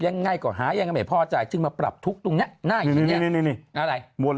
ยังง่ายกว่าหายังไม่พอใจซึ่งมาปรับทุกตรงนั้น